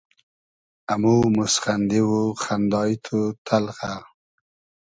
امو موسخئندی و خئندای تو تئلخۂ